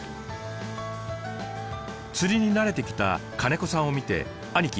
釣りに慣れてきた金子さんを見て兄貴